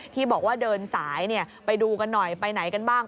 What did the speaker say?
ที่บอกว่าเดินสายไปดูกันหน่อยไปไหนกันบ้าง